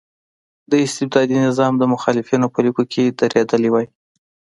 د استبدادي نظام د مخالفینو په لیکو کې درېدلی وای.